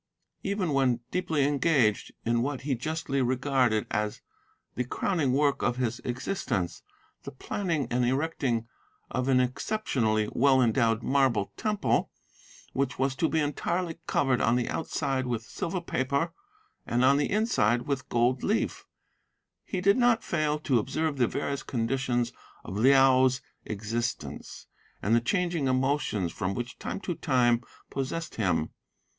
Even when deeply engaged in what he justly regarded as the crowning work of his existence the planning and erecting of an exceptionally well endowed marble temple, which was to be entirely covered on the outside with silver paper, and on the inside with gold leaf he did not fail to observe the various conditions of Liao's existence, and the changing emotions which from time to time possessed him.